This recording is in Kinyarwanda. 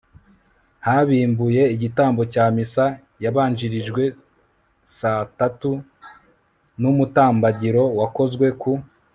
habimbuye igitambo cya missa yabanjirijwe saa tatu n'umutambagiro wakozwe ku